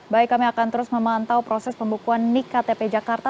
baik kami akan terus memantau proses pembukuan nik ktp jakarta